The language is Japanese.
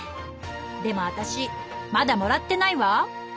でも私まだもらってないわ。